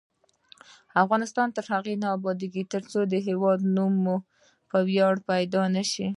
افغانستان تر هغو نه ابادیږي، ترڅو د هیواد په نوم مو ویاړ پیدا نشي.